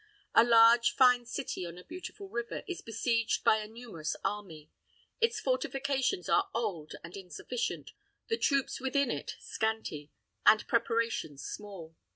A large, fine city, on a beautiful river, is besieged by a numerous army. Its fortifications are old and insufficient, the troops within it scanty, the preparations small.